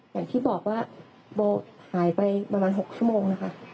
อย่างที่บอกว่าโบหายไปประมาณ๖ชั่วโมงนะคะ